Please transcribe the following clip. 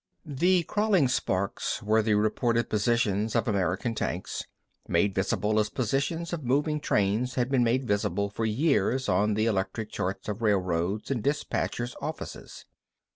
The crawling sparks were the reported positions of American tanks, made visible as positions of moving trains had been made visible for years on the electric charts of railroads in dispatcher's offices.